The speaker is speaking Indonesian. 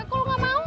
kakak pur kakaknya